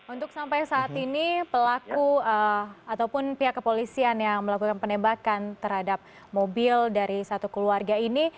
untuk sampai saat ini pelaku ataupun pihak kepolisian yang melakukan penembakan terhadap mobil dari satu keluarga ini